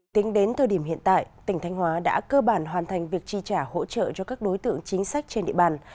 tính đến thời điểm hiện tại tỉnh thanh hóa đã cơ bản hoàn thành việc chi trả hỗ trợ cho các đối tượng chính sách trên địa bàn